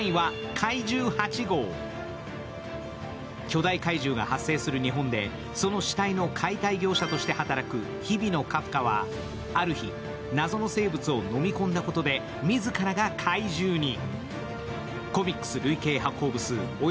巨大怪獣が発生する日本でその死体の解体業者として働く日比野カフカはある日、謎の生物を飲み込んだことで自らが怪獣に。